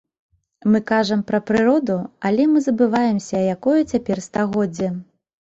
Мы кажам пра прыроду, але мы забываемся, якое цяпер стагоддзе.